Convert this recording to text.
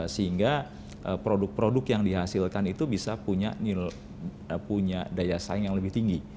sehingga produk produk yang dihasilkan itu bisa punya daya saing yang lebih tinggi